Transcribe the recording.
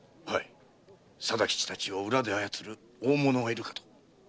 はい貞吉たちを裏で操る大物がいるかと。